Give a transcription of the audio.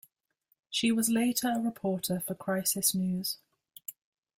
She was later a reporter for Crisis News.